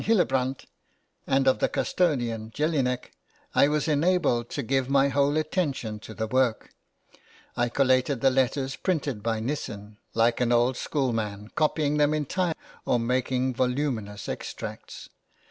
Hilleprandt, and of the custodian, Jelinek, I was enabled to give my whole attention to the work. I collated the letters printed by Nissen, like an {LIFE OF MOZART.} (xvi) old schoolman, copying them entire or making voluminous extracts.